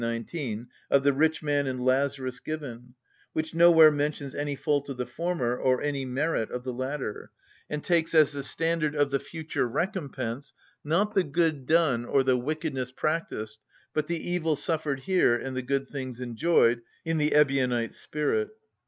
19) of the rich man and Lazarus given, which nowhere mentions any fault of the former or any merit of the latter, and takes as the standard of the future recompense, not the good done or the wickedness practised, but the evil suffered here and the good things enjoyed, in the Ebionite spirit.